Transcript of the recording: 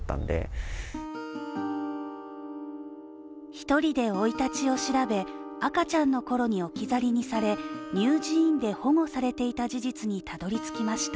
一人で生い立ちを調べ赤ちゃんのころに置き去りにされ乳児院で保護されていた事実にたどりつきました。